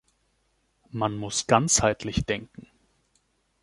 Man muss ganzheitlich denken.